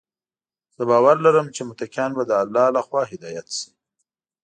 زه باور لرم چې متقیان به د الله لخوا هدايت شي.